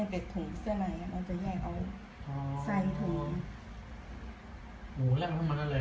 เป็นสักปีนกลำเนี้ย